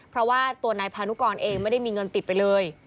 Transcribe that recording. เพราะว่าตัวนายพานุกรเองไม่ได้มีเงินติดไปเลย